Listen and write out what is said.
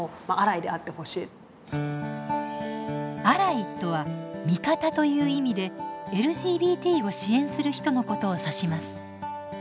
「アライ」とは「味方」という意味でＬＧＢＴを支援する人のことを指します。